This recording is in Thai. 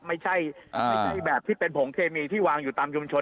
ไม่ใช่แบบที่เป็นผงเคมีที่วางอยู่ตามชุมชน